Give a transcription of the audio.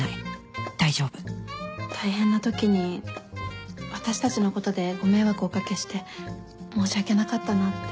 大丈夫大変なときに私たちのことでご迷惑をお掛けして申し訳なかったなって。